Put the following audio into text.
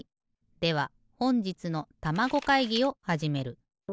ではほんじつのたまご会議をはじめる。